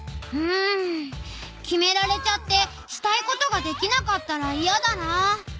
うん決められちゃってしたいことができなかったらいやだな。